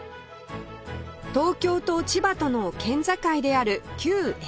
東京と千葉との県境である旧江戸川